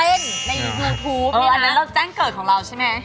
แล้วแจ้งเกิดของเราใช่ไหม